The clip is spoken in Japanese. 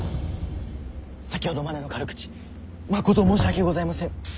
先ほどまでの軽口まこと申し訳ございません。